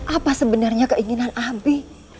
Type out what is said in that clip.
apa sebenarnya keinginan abi